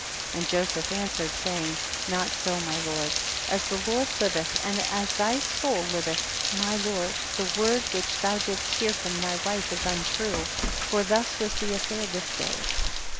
And Joseph answered, saying, not so my lord, as the Lord livetli, and as thy soul liveth, my lord, the word which thou didst hear from thy wife is untrue, for thus was the affair this day.